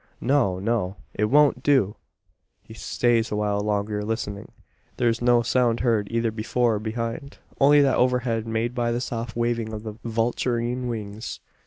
"No no. It won't do!" He stays a while longer, listening. There is no sound heard either before or behind only that overhead made by the soft waving of the vulturine wings.